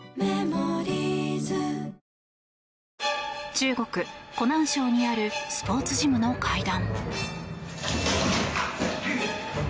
中国・湖南省にあるスポーツジムの階段。